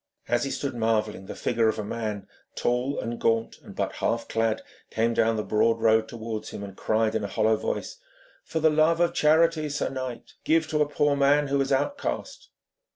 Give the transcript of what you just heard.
As he stood marvelling, the figure of a man, tall and gaunt and but half clad, came down the broad road towards him, and cried in a hollow voice: 'For the love of charity, sir knight, give to a poor man who is outcast.'